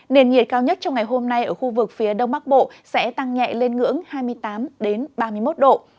nền nhiệt cao nhất trong ngày hôm nay ở khu vực phía đông bắc bộ sẽ tăng nhẹ lên ngưỡng hai mươi tám ba mươi một độ